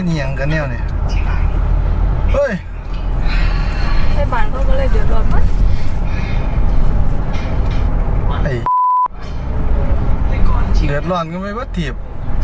เดี๋ยวรอดลงไปว่าทีบ